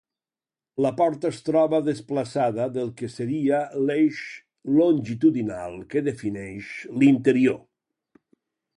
La porta es troba desplaçada del que seria l'eix longitudinal que defineix l'interior.